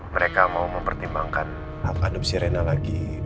mereka mau mempertimbangkan hak adup sirena lagi